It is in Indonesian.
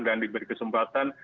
dan diberi kesempatan